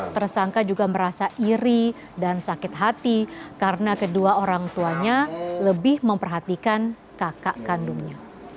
tersangka juga merasa iri dan sakit hati karena kedua orang tuanya lebih memperhatikan kakak kandungnya